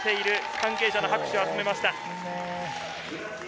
関係者の拍手を集めました。